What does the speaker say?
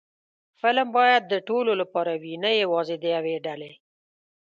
فلم باید د ټولو لپاره وي، نه یوازې د یوې ډلې